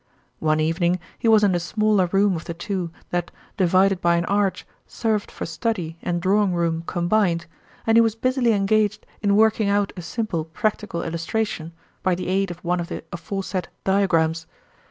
One evening he was in the smaller room of the two that, divided by an arch, served for study and drawing room combined; and he was busily engaged in working out a simple practical illustration, by the aid of one of the aforesaid diagrams.